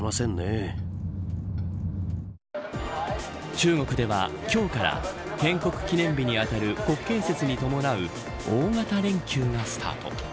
中国では今日から建国記念日にあたる国慶節に伴う大型連休がスタート。